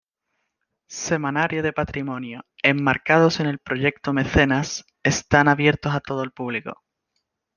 Semanario de Patrimonio: enmarcados en el proyecto Mecenas, están abiertos a todo el público.